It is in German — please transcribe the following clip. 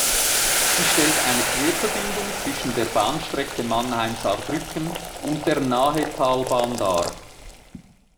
Sie stellt eine Querverbindung zwischen der Bahnstrecke Mannheim–Saarbrücken und der Nahetalbahn dar.